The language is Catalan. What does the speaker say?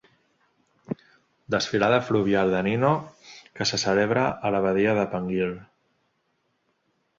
Desfilada Fluvial de Nino que se celebra a la badia de Panguil.